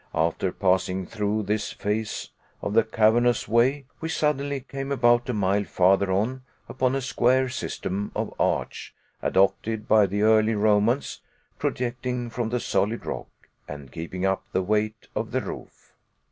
After passing through this phase of the cavernous way, we suddenly came, about a mile farther on, upon a square system of arch, adopted by the early Romans, projecting from the solid rock, and keeping up the weight of the roof.